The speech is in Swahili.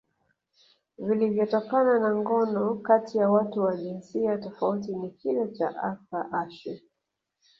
vilivyotokana na ngono kati ya watu wa jinsia tofauti ni kile cha Arthur Ashe